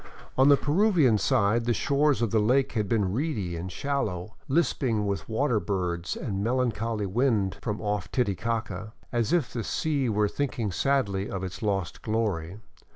On the Peruvian side the shores of the lake had been reedy and shallow, lisping with water birds and a melancholy wind from off Titicaca, as if the sea were thinking sadly of its lost glory.